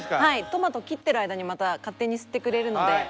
トマト切ってる間にまた勝手に吸ってくれるので。